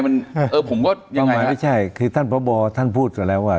มันเออผมก็ประหมายไม่ใช่คือท่านพศท่านพูดกันแล้วว่า